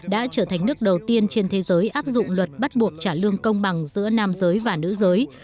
đã trở thành nước đầu tiên trên thế giới áp dụng luật bắt buộc trả lương công bằng giữa nam giới và nữ giới